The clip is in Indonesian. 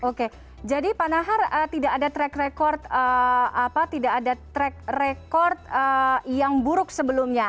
oke jadi panahar tidak ada track record yang buruk sebelumnya